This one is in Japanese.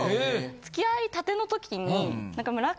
付き合いたての時に。